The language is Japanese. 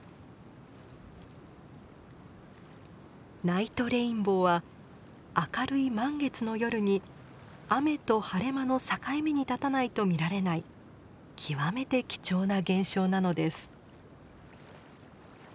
ナイトレインボーは明るい満月の夜に雨と晴れ間の境目に立たないと見られない極めて貴重な現象なのです。